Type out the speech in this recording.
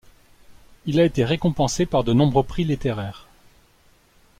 Il a été récompensé par de nombreux prix littéraires.